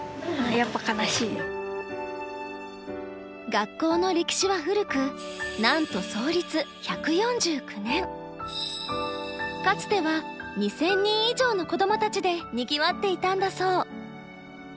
学校の歴史は古くなんとかつては２０００人以上の子どもたちでにぎわっていたんだそう。